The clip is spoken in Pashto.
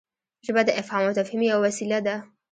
ژبه د افهام او تفهیم یوه وسیله ده.